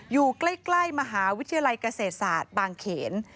อยู่ใกล้มหาวิทยาลัยเกษตรศาสตร์บางเขน